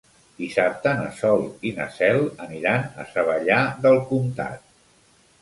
Dissabte na Sol i na Cel aniran a Savallà del Comtat.